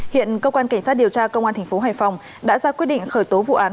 hiện cơ quan cảnh sát điều tra công an tp hải phòng đã ra quyết định khởi tố vụ án